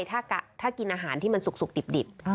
ถ้ากินอาหารที่มันสุกดิบ